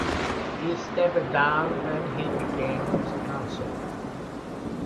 He stepped down when he became chancellor.